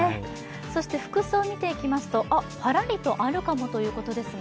そして服装見ていきますと、パラりとあるかもということですが。